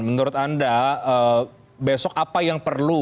menurut anda besok apa yang akan dilakukan